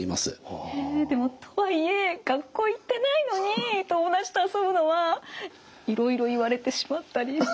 えでもとはいえ学校行ってないのに友達と遊ぶのはいろいろ言われてしまったりして。